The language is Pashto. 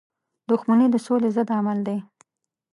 • دښمني د سولی ضد عمل دی.